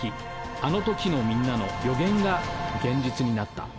あの時のみんなの予言が現実になった